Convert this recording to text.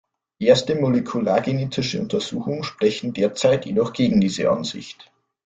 Erste molekulargenetische Untersuchungen sprechen derzeit jedoch gegen diese Ansicht.